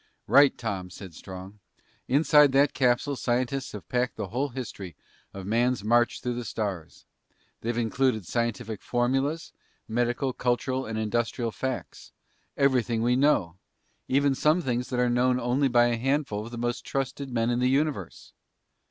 "Right, Tom," said Strong. "Inside that capsule scientists have packed the whole history of man's march through the stars. They've included scientific formulas, medical, cultural, and industrial facts. Everything we know. Even some things that are known by only a handful of the most trusted men in the universe!"